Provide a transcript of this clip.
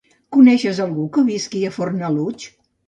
Coneixes algú que visqui a Fornalutx?